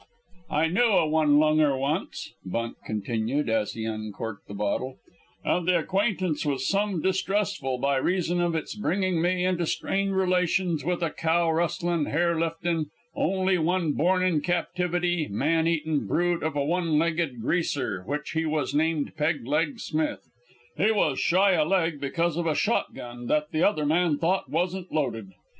"I knew a one lunger once," Bunt continued, as he uncorked the bottle, "and the acquaintance was some distressful by reason of its bringing me into strained relations with a cow rustlin', hair liftin', only one born in captivity, man eatin' brute of a one legged Greaser which he was named Peg leg Smith. He was shy a leg because of a shotgun that the other man thought wasn't loaded.